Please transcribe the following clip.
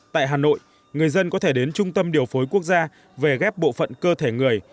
tại hà nội người dân có thể đến trung tâm điều phối quốc gia về ghép bộ phận cơ thể người